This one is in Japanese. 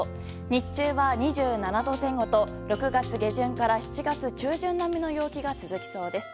日中は２７度前後と６月下旬から７月中旬並みの陽気が続きそうです。